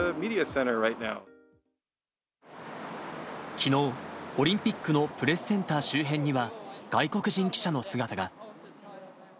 きのう、オリンピックのプレスセンター周辺には外国人記者の姿が。